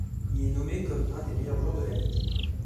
Il est nommé comme un des meilleurs joueurs de la ligue.